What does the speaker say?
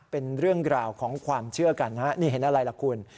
เป็นเรื่องราวของความเชื่อกันฮะนี่เห็นอะไรล่ะคุณ